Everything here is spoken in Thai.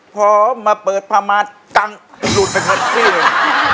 พอมาเปิดพามัตรตั้งหลุดไปคับสี่หนึ่ง